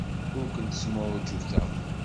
Ur kent-smuɛjuteɣ.